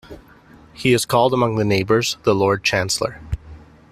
He is called among the neighbours the Lord Chancellor.